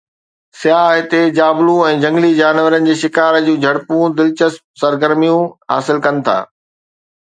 سياح هتي جابلو ۽ جهنگلي جانورن جي شڪار جهڙيون دلچسپ سرگرميون حاصل ڪن ٿا.